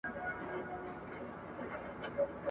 چي زه ماشوم وم له لا تر اوسه پوري !.